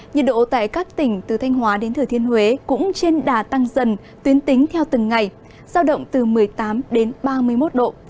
nhiệt độ tại các tỉnh từ thanh hóa đến thừa thiên huế cũng trên đà tăng dần tuyến tính theo từng ngày giao động từ một mươi tám đến ba mươi một độ